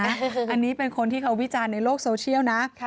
อันนี้เป็นคนที่เขาวิจารณ์ในโลกโซเชียลนะ